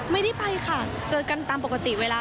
ไม่ได้ไปค่ะเจอกันตามปกติเวลา